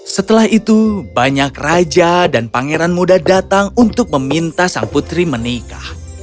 setelah itu banyak raja dan pangeran muda datang untuk meminta ayah